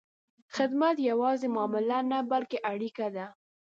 خدمت یوازې معامله نه، بلکې اړیکه ده.